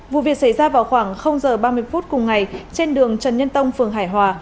vụ việc xảy ra vào khoảng h ba mươi phút cùng ngày trên đường trần nhân tông phường hải hòa